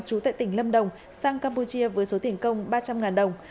chú tại tỉnh lâm đồng sang campuchia với số tỉnh công ba trăm linh đồng